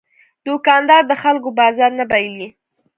دوکاندار د خلکو باور نه بایلي.